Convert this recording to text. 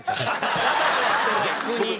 逆に。